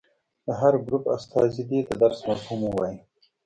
د هر ګروپ استازي دې د درس مفهوم ووايي.